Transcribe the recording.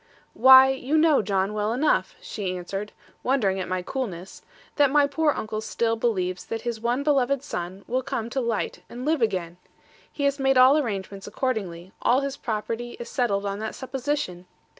'Why, you know, John, well enough,' she answered, wondering at my coolness, 'that my poor uncle still believes that his one beloved son will come to light and live again. He has made all arrangements accordingly: all his property is settled on that supposition.